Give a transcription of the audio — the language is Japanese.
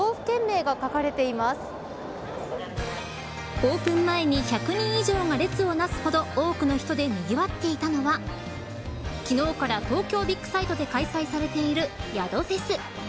オープン前に１００人以上が列を成すほど多くの人でにぎわっていたのが昨日から東京ビックサイトで開催されている宿フェス。